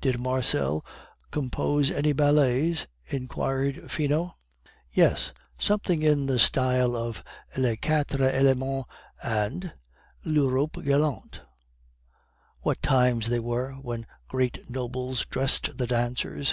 "Did Marcel compose any ballets?" inquired Finot. "Yes, something in the style of Les Quatre Elements and L'Europe galante." "What times they were, when great nobles dressed the dancers!"